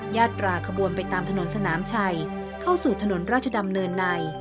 ญาตราขบวนไปตามถนนสนามชัยเข้าสู่ถนนราชดำเนินใน